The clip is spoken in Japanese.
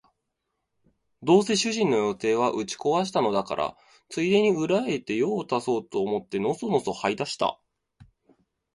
どうせ主人の予定は打ち壊したのだから、ついでに裏へ行って用を足そうと思ってのそのそ這い出した